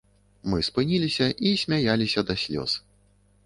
Мы спыніліся і смяяліся да слёз.